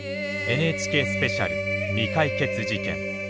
ＮＨＫスペシャル「未解決事件」。